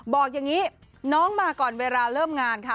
บอกอย่างนี้น้องมาก่อนเวลาเริ่มงานค่ะ